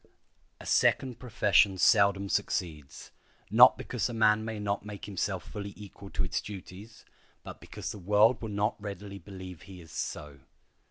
A second profession seldom succeeds, not because a man may not make himself fully equal to its duties, but because the world will not readily believe he is so.